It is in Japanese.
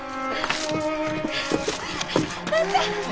万ちゃん！